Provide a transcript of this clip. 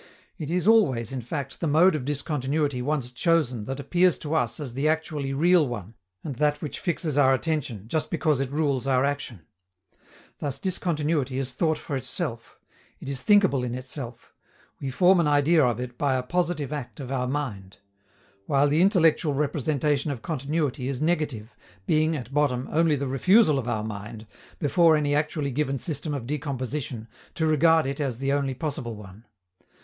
It is always, in fact, the mode of discontinuity once chosen that appears to us as the actually real one and that which fixes our attention, just because it rules our action. Thus discontinuity is thought for itself; it is thinkable in itself; we form an idea of it by a positive act of our mind; while the intellectual representation of continuity is negative, being, at bottom, only the refusal of our mind, before any actually given system of decomposition, to regard it as the only possible one.